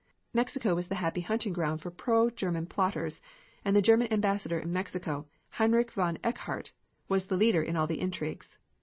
Mexico was the happy hunting ground for pro German plotters, and the German Ambassador in Mexico, Heinrich von Eckhardt, was the leader in all the intrigues.